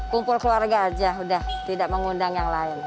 kumpul keluarga aja udah tidak mengundang yang lain